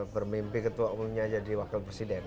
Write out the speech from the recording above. bermimpi ketua umumnya jadi wakil presiden